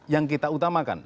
yang kita utamakan